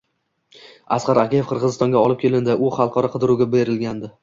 Asqar Akayev Qirg‘izistonga olib kelindi. U xalqaro qidiruvga berilgandi